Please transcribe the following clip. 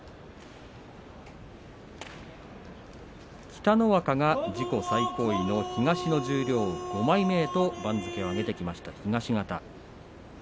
北の若、自己最高位東の５枚目へと番付を上げてきました。